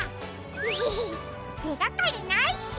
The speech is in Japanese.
エヘヘヘてがかりないし。